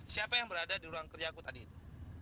siapa yang berada di ruang kerja aku tadi itu